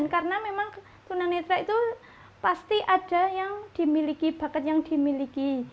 karena memang tunanetra itu pasti ada yang dimiliki bakat yang dimiliki